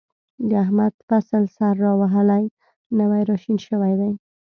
د احمد فصل سر را وهلی، نوی را شین شوی دی.